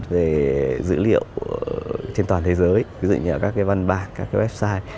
về dữ liệu trên toàn thế giới ví dụ như là các cái văn bản các cái website